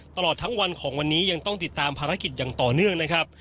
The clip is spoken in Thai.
ตลอดทั้งวันของวันนี้ยังต้องติดตามภารกิจอย่างต่อเนื่องนะครับ